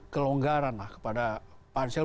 kelonggaran kepada pansel